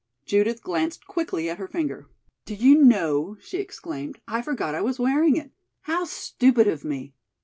Judith glanced quickly at her finger. "Do you know," she exclaimed, "I forgot I was wearing it? How stupid of me!